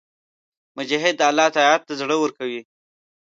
مجاهد د الله اطاعت ته زړه ورکړی وي.